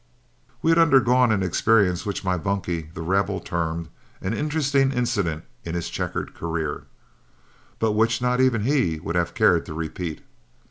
We had undergone an experience which my bunkie, The Rebel, termed "an interesting incident in his checkered career," but which not even he would have cared to repeat.